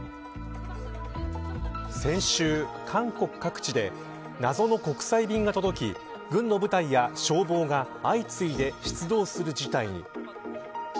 先週、韓国各地で謎の国際便が届き軍の部隊や消防が相次いで出動する事態に。